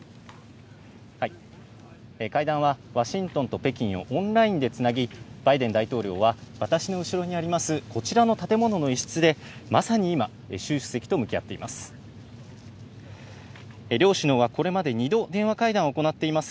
会談はワシントンと北京をオンラインでつなぎ、バイデン大統領は私の後ろにあるこちらの建物の一室でまさに今、シュウ主席と向き合っています。